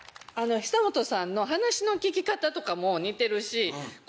久本さんの話の聞き方とかも。